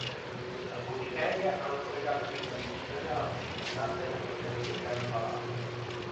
Alcuni media hanno collegato questa dimissione alla prossimità della sentenza del Caso Palau.